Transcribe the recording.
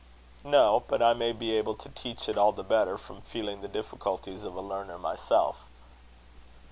"No; but I may be able to teach it all the better from feeling the difficulties of a learner myself."